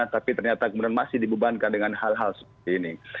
tapi ternyata kemudian masih dibebankan dengan hal hal seperti ini